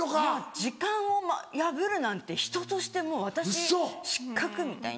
時間を破るなんて人としてもう私失格みたいな。